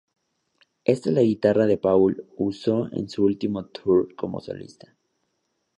Esta es la guitarra que Paul usó en su último tour como solista.